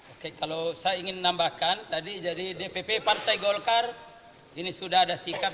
oke kalau saya ingin menambahkan tadi jadi dpp partai golkar ini sudah ada sikap